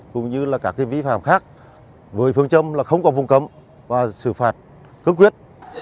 cũng như các vi phạm khác với phương châm là không có vùng cấm và xử phạt cấp quyết